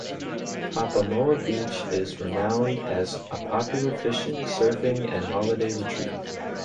Papamoa Beach is renowned as a popular fishing, surfing, and holiday retreat.